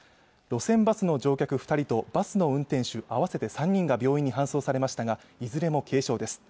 路線バスの乗客二人とバスの運転手合わせて３人が病院に搬送されましたがいずれも軽傷です